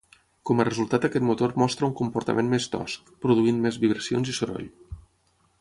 Com a resultat aquest motor mostra un comportament més tosc, produint més vibracions i soroll.